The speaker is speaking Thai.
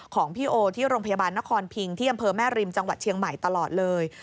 ของพี่โอที่โรงพยาบาลนครพิงที่อำเภอแม่ริมจังหวัดเชียงใหม่ตลอดเลย